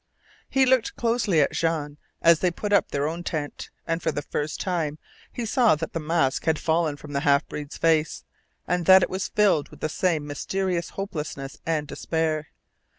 He looked closely at Jean as they put up their own tent, and for the first time he saw that the mask had fallen from the half breed's face, and that it was filled with that same mysterious hopelessness and despair.